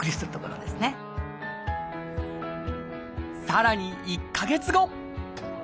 さらに１か月後。